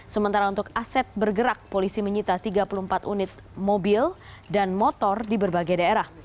sementara untuk aset bergerak polisi menyita tiga puluh empat unit mobil dan motor di berbagai daerah